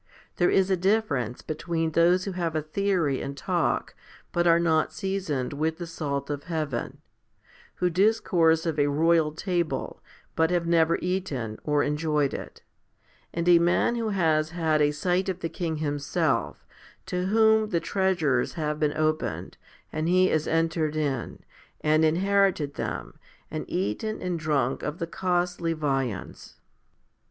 There is a difference between those who have a theory and talk, but are not seasoned with the salt of heaven who discourse of a royal table, but have never eaten or enjoyed it and a man who has had a sight of the king himself, to whom the treasures have been opened, and he has entered in, and inherited them, and eaten and drunk of the costly viands.